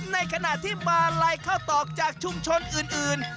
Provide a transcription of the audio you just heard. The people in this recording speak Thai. ในขณะที่มาลัยข้าวตอกจากชุมชนอื่น